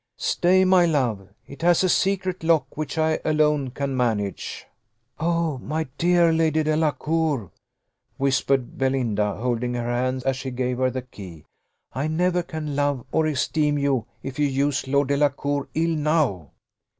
"Stay, my love; it has a secret lock, which I alone can manage." "Oh, my dear Lady Delacour!" whispered Belinda, holding her hand as she gave her the key, "I never can love or esteem you if you use Lord Delacour ill now."